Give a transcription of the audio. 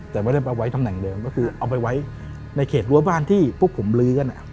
แต่ไม่ได้ไปไว้ตำแหน่งเดิมก็คือเอาไปไว้ในเขตรั้วบ้านที่พวกผมลื้อกัน